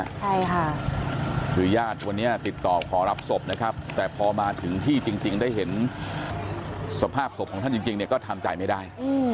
ใช่ค่ะคือญาติวันนี้ติดต่อขอรับศพนะครับแต่พอมาถึงที่จริงได้เห็นสภาพศพของท่านจริงเนี่ยก็ทำใจไม่ได้